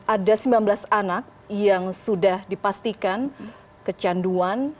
ada sembilan belas anak yang sudah dipastikan kecanduan